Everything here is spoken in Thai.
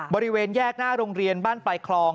บริเวณแยกหน้าโรงเรียนบ้านปลายคลอง